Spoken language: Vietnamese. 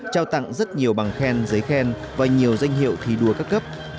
trao tặng rất nhiều bằng khen giấy khen và nhiều danh hiệu thi đua các cấp